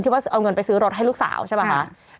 ว่าเอาเงินไปซื้อรถให้ลูกสาวใช่ป่ะคะ